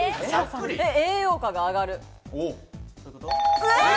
栄養価が上がる。